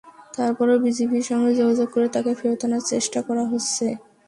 তারপরও বিজিপির সঙ্গে যোগাযোগ করে তাকে ফেরত আনা চেষ্টা করা হচ্ছে।